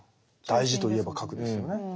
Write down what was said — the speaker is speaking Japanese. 大事といえば核ですよね。